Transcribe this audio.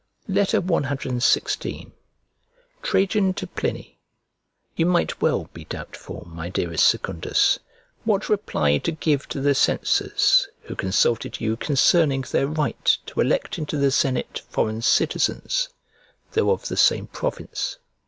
CXVI TRAJAN TO PLINY You might well be doubtful, my dearest Secundus, what reply to give to the censors, who consulted you concerning their right to elect into the senate foreign citizens, though of the same province.